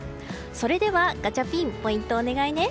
それではガチャピンポイントをお願いね。